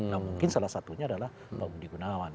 nah mungkin salah satunya adalah pak budi gunawan